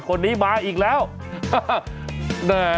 คนนี้มาอีกแล้วเนอ๊ะณเสงน์ความทื่น